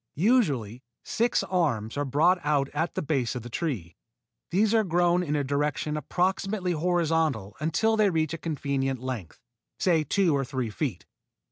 Usually six arms are brought out at the base of the tree. These are grown in a direction approximately horizontal until they reach a convenient length, say two to three feet.